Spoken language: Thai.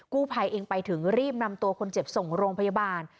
ภัยเองไปถึงรีบนำตัวคนเจ็บส่งโรงพยาบาล